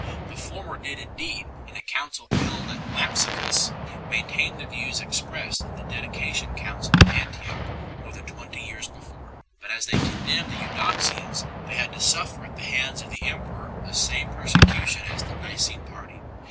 The former did indeed, in a council held at Lampsacu^ 4 , maintain the views expressed in the Dedication Council at Antioch more than twenty years before ; but as they condemned the Eudoxians they had to suffer at the hands of the emperor the same per secution as the Nicene party.